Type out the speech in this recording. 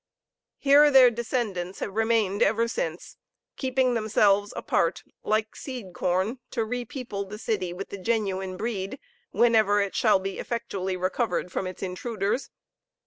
Here their descendants have remained ever since, keeping themselves apart, like seed corn, to repeople the city with the genuine breed, whenever it shall be effectually recovered from its intruders.